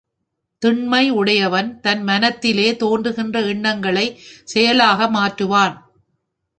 திண்மை உடையவன் தன் மனத்திலே தோன்றுகிற எண்ணங்களைச் செயலாக மாற்றுவான்.